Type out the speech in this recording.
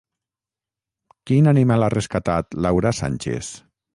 Quin animal ha rescatat Laura Sánchez?